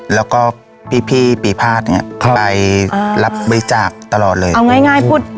แล้วก็พี่พี่ปีภาษณ์เนี้ยครับไปรับบริจาคตลอดเลยเอาง่ายง่ายพูด